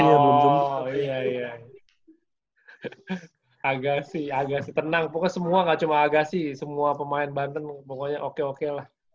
oh iya iya agasi agasi tenang pokoknya semua gak cuma agasi semua pemain banten pokoknya oke oke lah